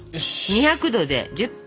２００℃で１０分。